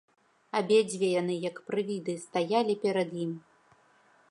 Абедзве яны, як прывіды, стаялі перад ім.